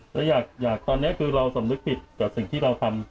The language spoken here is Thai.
แล้วอยากตอนนี้คือเราสำนึกผิดกับสิ่งที่เราทำ